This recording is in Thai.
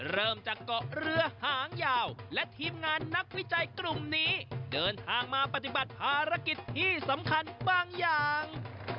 เริ่มจากเกาะเรือหางยาวและทีมงานนักวิจัยกลุ่มนี้เดินทางมาปฏิบัติภารกิจที่สำคัญบางอย่าง